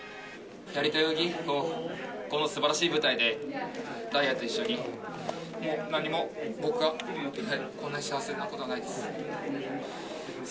やりたい泳ぎを、このすばらしい舞台で、大也と一緒に、何も僕は、こんな幸せなことはないです。